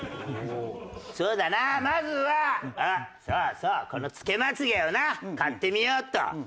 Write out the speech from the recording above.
そうだなまずはそうそうこのつけまつ毛をな買ってみようっと。